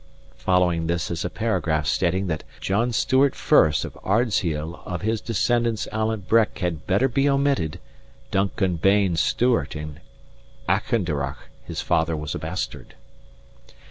Following this is a paragraph stating that "John Stewart 1st of Ardsheall of his descendants Alan Breck had better be omitted. Duncan Baan Stewart in Achindarroch his father was a Bastard."